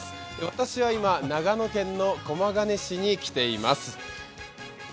私は今、長野県の駒ヶ根市に来ています。